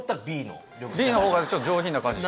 Ｂのほうが上品な感じ。